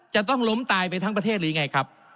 จะต้องล้มตายไปทั้งประเทศหรือไงครับ